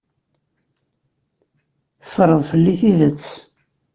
Teffreḍ fell-i tidet.